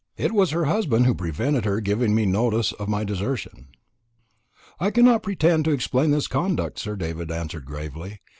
It was her husband who prevented her giving me notice of my desertion." "I cannot pretend to explain his conduct," Sir David answered gravely.